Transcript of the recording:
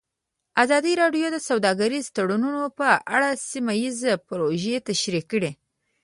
ازادي راډیو د سوداګریز تړونونه په اړه سیمه ییزې پروژې تشریح کړې.